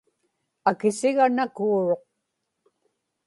akisiga nakuuruq